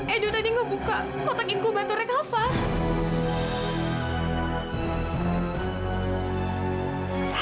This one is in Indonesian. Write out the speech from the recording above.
edo tadi ngebuka kotak inkubatornya kaka